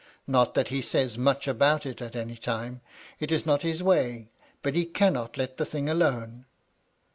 Not that he says much about it at any tune : it is not his way. But he cannot let the thing alone."